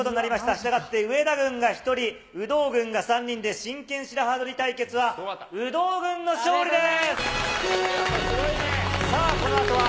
したがって上田軍が１人、有働軍が３人で、真剣白刃取り対決は、有働軍の勝利です。